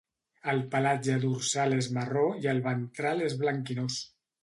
El pelatge dorsal és marró i el ventral és blanquinós.